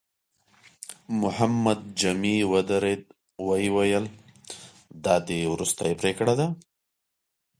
محمد جامي ودرېد، ويې ويل: دا دې وروستۍ پرېکړه ده؟